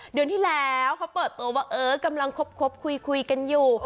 เดือนที่แล้วเขาเปิดตัวว่าเออกำลังคบคุยกันอยู่